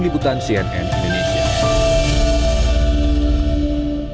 liputan cnn indonesia